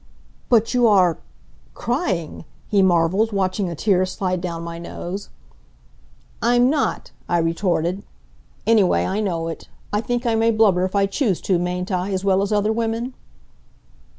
"But you are crying!" he marveled, watching a tear slide down my nose. "I'm not," I retorted. "Anyway I know it. I think I may blubber if I choose to, mayn't I, as well as other women?"